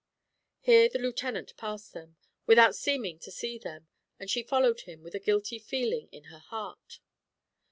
Here the Lieutenant passed them, without seeming to see them, and she followed him with a guilty feeling in her heart.